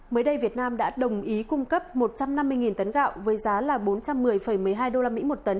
mới đây việt nam đã đồng ý cung cấp một trăm năm mươi tấn gạo với giá là bốn trăm một mươi một mươi hai usd một tấn